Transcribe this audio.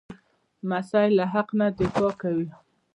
لمسی له حق نه دفاع کوي.